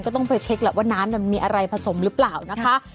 ต้องไปเช็คแหละว่าน้ำมันมีอะไรผสมหรือเปล่านะคะ